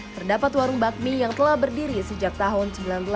terdapat warung bakmi yang telah berdiri sejak tahun seribu sembilan ratus delapan puluh